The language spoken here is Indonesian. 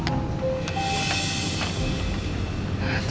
masih gak bisa mencari rendy sama riki